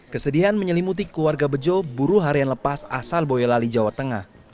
kesedihan menyelimuti keluarga bejo buru harian lepas asal boyolali jawa tengah